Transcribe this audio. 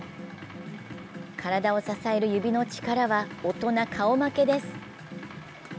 体を支える指の力は大人顔負けです。